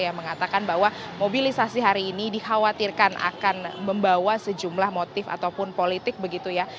yang mengatakan bahwa mobilisasi hari ini dikhawatirkan akan membawa sejumlah motif ataupun politik begitu ya